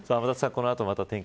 この後また天気